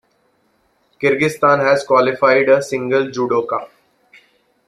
Kyrgyzstan has qualified a single judoka.